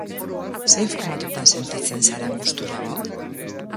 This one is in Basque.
Zein formatutan sentitzen zara gusturago?